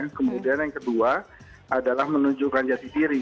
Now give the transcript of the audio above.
kemudian yang kedua adalah menunjukkan jati diri